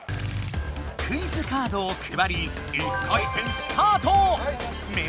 クイズカードをくばり１回戦スタート！